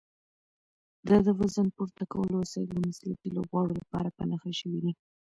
دا د وزن پورته کولو وسایل د مسلکي لوبغاړو لپاره په نښه شوي دي.